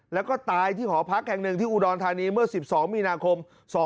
แล้วก็ตายที่หอพักแห่งหนึ่งที่อุดรธานีเมื่อ๑๒มีนาคม๒๕๖